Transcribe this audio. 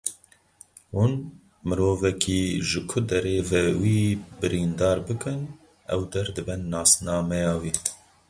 Hûn mirovekî ji ku derê ve wî birîndar bikin, ew der dibe nasnameya wî.